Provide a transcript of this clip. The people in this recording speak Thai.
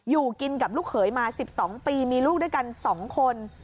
อยู่กินกับลูกเขยมา๑๒ปีมีลูกด้วยกัน๒คน